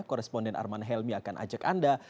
koresponden arman helmi akan ajak anda